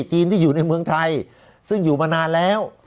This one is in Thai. จีนที่อยู่ในเมืองไทยซึ่งอยู่มานานแล้ว